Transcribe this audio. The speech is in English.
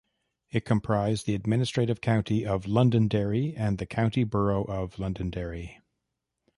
It comprised the Administrative county of Londonderry and the County Borough of Londonderry.